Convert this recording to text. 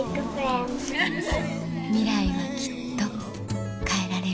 ミライはきっと変えられる